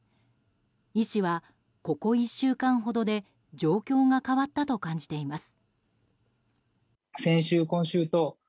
医師はここ１週間ほどで状況が変わったと感じています。